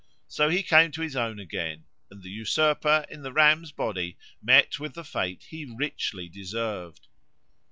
So he came to his own again, and the usurper in the ram's body met with the fate he richly deserved.